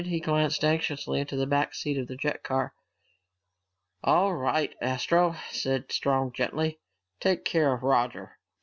He glanced anxiously into the back seat of the jet car. "All right, Astro," said Strong gently, "take care of Roger."